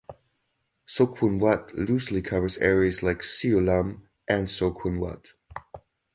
So Kwun Wat loosely covers areas like Siu Lam and So Kwun Wat.